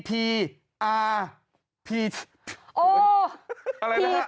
โอ้พีพีอาร์พีทีไทยแลนด์